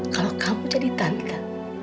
kalau kamu jadi tante